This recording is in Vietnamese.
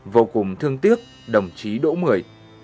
vô cùng thương tiếc đồng chí đỗ mười